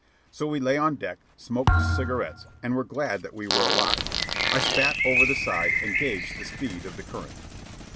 So we lay on deck, smoked cigarettes, and were glad that we were alive. I spat over the side and gauged the speed of the current.